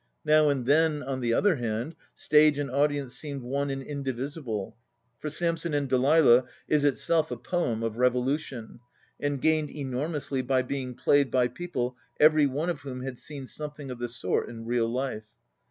Now and then, on the other hand, stage and audience seemed one and indivisible. For "Samson and Delilah" is itself a poem of revolution, and gained enor mously by being played by people every one of whom had seen something of the sort in real life.